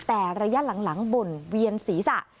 แต่ระยะหลังบ่นเวียนศีรษะ